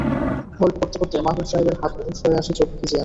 গল্প করতে করতে মাহবুব সাহেবের হাত অবশ হয়ে আসে, চোখ ভিজে আসে।